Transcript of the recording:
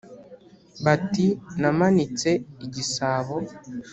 bati namanitse igisabo